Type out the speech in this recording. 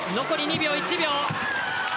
残り２秒、１秒。